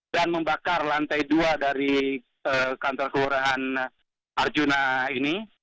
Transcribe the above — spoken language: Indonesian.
dan membakar lantai dua dari kantor kelurahan arjuna ini